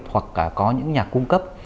hoặc có những nhà cung cấp